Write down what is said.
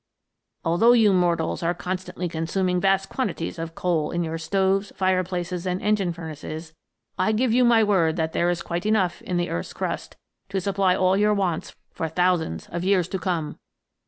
" Although you mortals are constantly consuming vast quantities of coal in your stoves, fire places, and engine furnaces, I give you my word that there is quite enough in the earth's crust to supply all your wants for thousands of years to come.